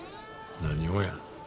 何をや？